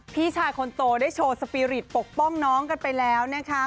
พี่ชายคนโตได้โชว์สปีริตปกป้องน้องกันไปแล้วนะคะ